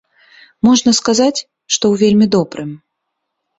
Можна сказаць, што ў вельмі добрым.